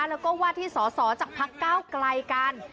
แล้วก็ว่าที่สอสอจากพักก้าวไกลกัน